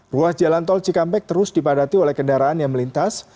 ruas jalan tol cikampek terus dipadati oleh kendaraan yang melintas